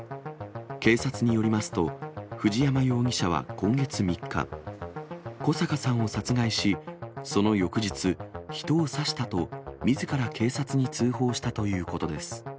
警察によりますと、藤山容疑者は今月３日、小阪さんを殺害し、その翌日、人を刺したとみずから警察に通報したということです。